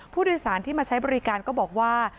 ผู้โดยสารที่มาใช้บริการก็บอกว่า